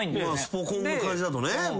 スポ根の感じだとね。